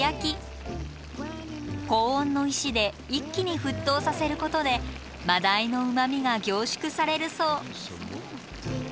高温の石で一気に沸騰させることで真鯛のうまみが凝縮されるそう。